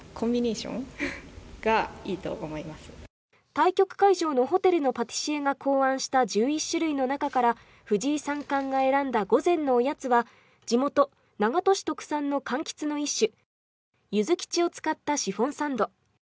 対局会場のホテルのパティシエが考案した１１種類の中から藤井三冠が選んだ午前のおやつは地元・長門市特産のかんきつの一種ゆずきちを使ったシフォンサンド。